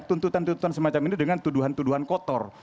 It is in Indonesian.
tuntutan tuntutan semacam ini dengan tuduhan tuduhan kotor